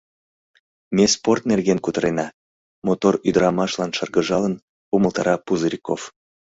— Ме спорт нерген кутырена, — мотор ӱдрамашлан шыргыжалын, умылтара Пузырьков.